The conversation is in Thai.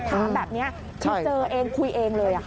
ถามแบบนี้เจอเองคุยเองเลย